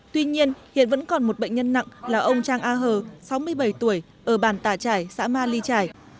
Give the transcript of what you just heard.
tuy nhiên hiện vẫn còn một bệnh nhân nặng là ông trang a hờ sáu mươi bảy tuổi ở bàn tà trải xã ma ly trải